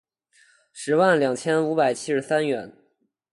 十万两千五百七十三元